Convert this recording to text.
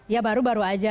ya baru baru aja